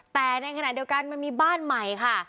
แต่ในขณะเดียวกันมันมีบ้านใหม่ค่ะ